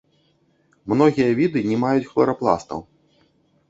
Многія віды не маюць хларапластаў.